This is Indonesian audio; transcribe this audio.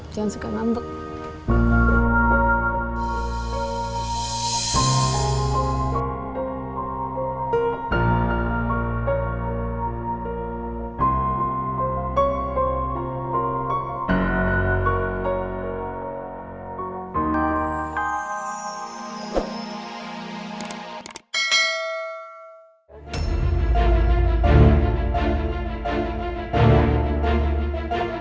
jangan suka mandut